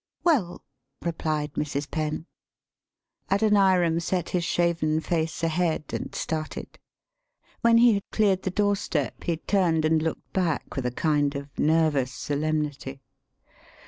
["Well," replied Mrs. Penn. Adoniram set his shaven face ahead and started. When he had cleared the door step, he turned and looked back with a kind of ner vous solemnity.